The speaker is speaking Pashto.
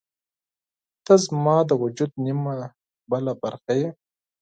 • ته زما د وجود نیمه بله برخه یې.